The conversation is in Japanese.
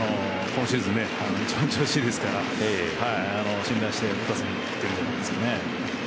今シーズン一番調子がいいですから信頼して、打たせにいくんじゃないですかね。